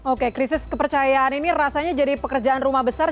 oke krisis kepercayaan ini rasanya jadi pekerjaan rumah besar